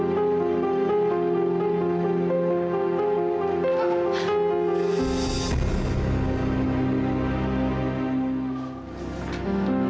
tenang tenang tenang